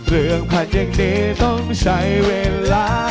เรื่องผลัดอย่างนี้ต้องใช้เวลา